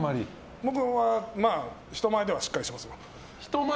僕は人前ではしっかりしてますよ。